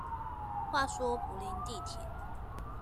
話說柏林地鐵